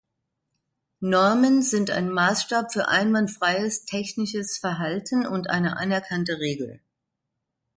Normen sind ein Maßstab für einwandfreies technisches Verhalten und eine anerkannte Regel.